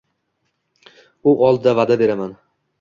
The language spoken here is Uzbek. U oldida vaʼda beraman.